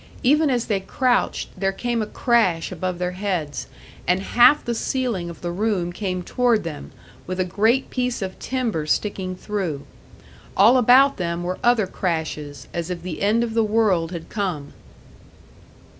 Even as they crouched, there came a crash above their heads, and half the ceiling of the room came toward them, with a great piece of timber sticking through. All about them were other crashes, as if the end of the world had come.